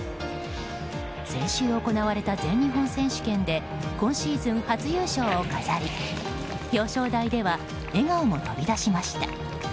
先週行われた全日本選手権で今シーズン初優勝を飾り表彰台では笑顔も飛び出しました。